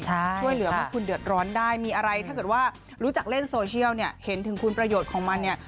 ช่วยเหลือเมื่อคุณเดือดร้อนได้มีอะไรถ้าเกิดว่ารู้จักเล่นโซเชียลเนี่ยเห็นถึงคุณประโยชน์ของมันเนี่ย